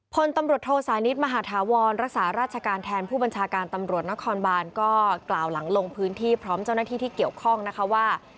พลตำรวจโทสานิทมหาธาวรรักษาราชการแทนผู้บัญชาการตำรวจนครบานก็กล่าวหลังลงพื้นที่พร้อมเจ้าหน้าที่ที่เกี่ยวข้องนะคะว่า